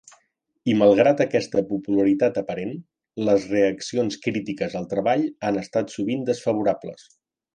I malgrat aquesta popularitat aparent, les reaccions crítiques al treball han estat sovint desfavorables.